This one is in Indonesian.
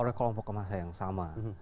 oleh kelompok kemasya yang sama